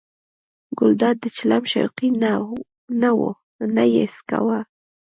ګلداد د چلم شوقي نه و نه یې څکاوه.